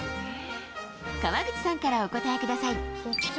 川口さんからお答えください。